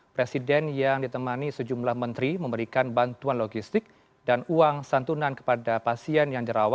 presiden yang ditemani sejumlah menteri memberikan bantuan logistik dan uang santunan kepada pasien yang dirawat